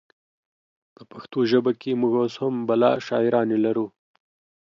په پښتو ژبه کې مونږ اوس هم بلها شاعرانې لرو